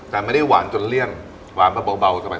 แต่ไม่ได้หวานจนเลี่ยงหวานแบบเบาสบาย